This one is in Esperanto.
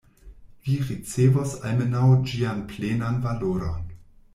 Vi ricevos almenaŭ ĝian plenan valoron.